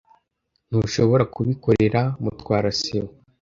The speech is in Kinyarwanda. Ntushobora kubikorera Mutwara sibo.